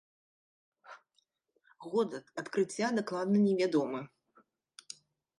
Год адкрыцця дакладна не вядомы.